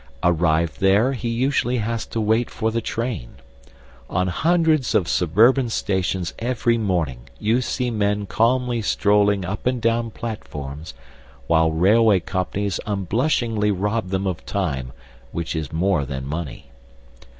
Arrived there, he usually has to wait for the train. On hundreds of suburban stations every morning you see men calmly strolling up and down platforms while railway companies unblushingly rob them of time, which is more than money.